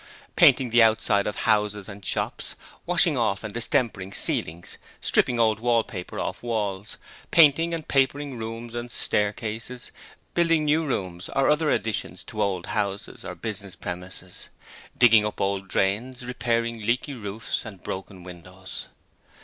Painting the outsides of houses and shops, washing off and distempering ceilings, stripping old paper off walls, painting and papering rooms and staircases, building new rooms or other additions to old houses or business premises, digging up old drains, repairing leaky roofs and broken windows.